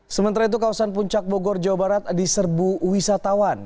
sementara itu kawasan puncak bogor jawa barat diserbu wisatawan